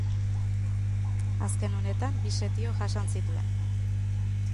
Azken honetan bi setio jasan zituen.